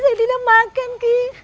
saya tidak makan selama dua hari ki